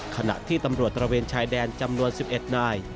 ขณะที่ตำรวจตระเวนชายแดนจำนวน๑๑นาย